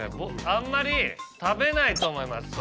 あんまり食べないと思います